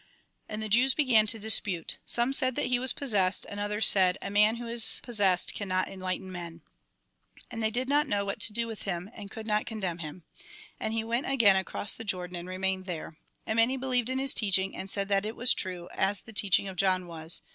And the Jews began to dispute. Some said that he was possessed, and others said :" A man who is possessed cannot enlighten men." And they did not know what to do with him, and could not con demn him. And he went again across the Jordan, and remained there. And many believed in his teaching, and said that it was true, as the teaching of John was.